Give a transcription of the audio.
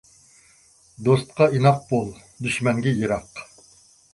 دوستقا ئىناق بول، دۈشمەنگە يىراق.